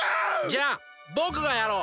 じゃあぼくがやろう！